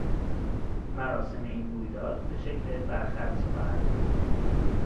مراسم این رویداد به شکل برخط خواهد بود